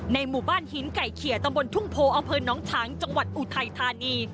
หมู่บ้านหินไก่เขียตำบลทุ่งโพอำเภอน้องฉางจังหวัดอุทัยธานี